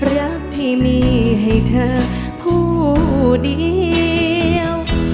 รักที่มีให้เธอผู้เดียว